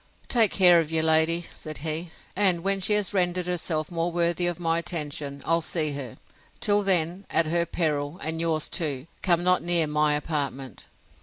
Take care of your lady, said he; and when she has rendered herself more worthy of my attention, I'll see her; till then, at her peril, and yours too, come not near my apartment.